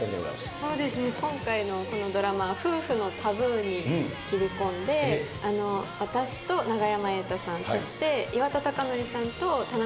今回のこのドラマは夫婦のタブーに切り込んで私と永山瑛太さんそして岩田剛典さんと田中みな実さん。